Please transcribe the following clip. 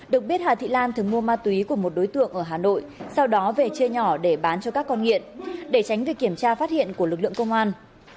được biết hà thị lan thường mua ma túy của một đối tượng ở hà nội sau đó về chia nhỏ để bán cho các con nghiện để tránh việc kiểm tra phát hiện của lực lượng công an